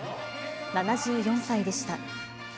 ７４歳でした。